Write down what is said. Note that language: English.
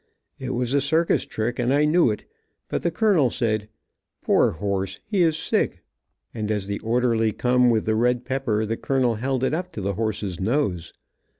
It was a circus trick, and I knew it, but the colonel said, "Poor horse, he is sick," and as the orderly come with the red pepper the colonel held it to the horse's nose.